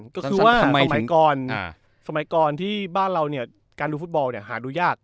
ก็คือสมัยก่อนที่บ้านเราการดูฟุตบอลหาดูยาก